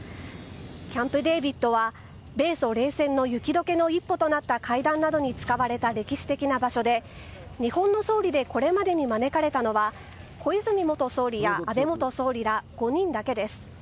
キャンプデービッドは米ソ冷戦の雪解けの一歩となった会談などに使われた歴史的な場所で日本の総理でこれまでに招かれたのは小泉元総理や安倍元総理ら５人だけです。